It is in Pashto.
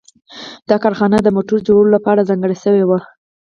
دا کارخانه د موټر جوړولو لپاره ځانګړې شوې وه